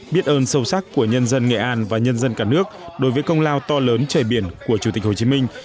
biết ơn sâu sắc của nhân dân nghệ an và nhân dân cả nước đối với công lao to lớn trời biển của chủ tịch hồ chí minh